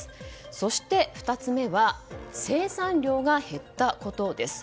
そして２つ目は生産量が減ったことです。